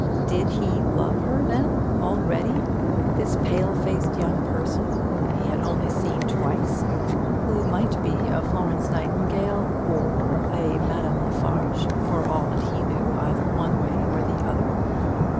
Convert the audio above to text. Did he love her, then, already this pale faced young person, whom he had only seen twice; who might be a Florence Nightingale, or a Madame de Laffarge, for all that he knew either one way or the other?